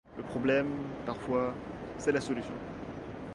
Le problème… parfois… c’est la solution